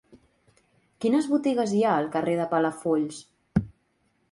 Quines botigues hi ha al carrer de Palafolls?